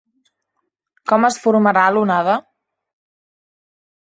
Com es formarà l’onada?